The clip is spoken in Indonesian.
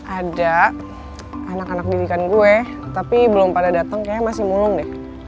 ada anak anak didikan gue tapi belum pada datang kayaknya masih mulung deh